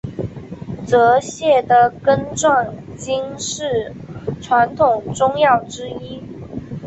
泽泻的根状茎是传统中药之一。